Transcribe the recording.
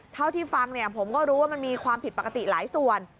เท่าที่ฟังเนี่ยผมก็รู้ว่ามันมีความผิดปกติหลายส่วน